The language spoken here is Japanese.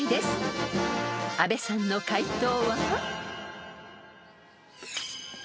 ［阿部さんの解答は？］